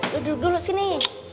lu duduk dulu sini